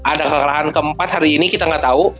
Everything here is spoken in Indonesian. nanti ada kekalahan keempat hari ini kita gak tau